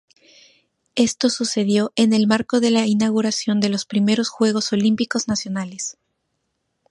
Esto sucedió en el marco de la inauguración de los Primeros Juegos Olímpicos Nacionales.